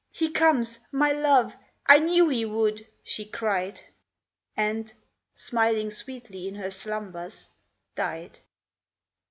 "He comes! my love! I knew he would!" she cried; And, smiling sweetly in her slumbers, died.